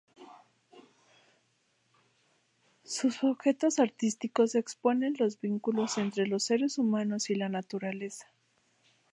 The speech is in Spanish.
Sus objetos artísticos exponen los vínculos entre los seres humanos y la naturaleza.